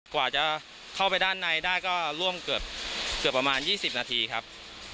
กว่าจะเข้าไปด้านในได้ก็ร่วมเกือบประมาณ๒๐นาทีครับ